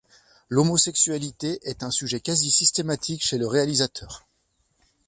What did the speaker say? L'homosexualité est un sujet quasi systématique chez le réalisateur.